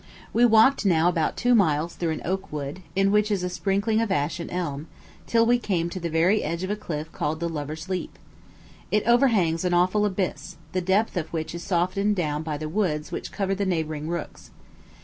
We walked now about two miles through an oak wood, in which is a sprinkling of ash and elm, till we came to the very edge of a cliff called the "Lover's Leap." It overhangs an awful abyss, the depth of which is softened down by the woods which cover the neighboring rooks.